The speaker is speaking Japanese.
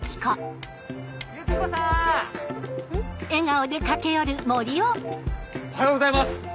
おはようございます！